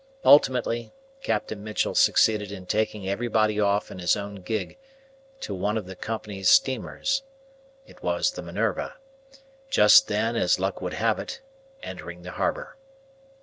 Ultimately, Captain Mitchell succeeded in taking everybody off in his own gig to one of the Company's steamers it was the Minerva just then, as luck would have it, entering the harbour.